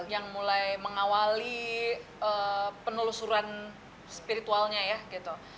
yang mulai mengawali penelusuran spiritualnya ya gitu